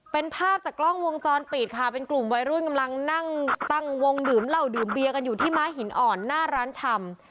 เป็นภาพจากกล้องวงจรปิดค่ะเป็นกลุ่มวัยรุ่นกำลังนั่งตั้งวงดื่มเหล้าดื่มเบียกันอยู่ที่ม้าหินอ่อนหน้าร้านชำ